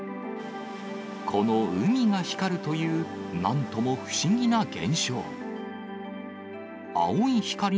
この海が光るという、なんとも不思議な現象。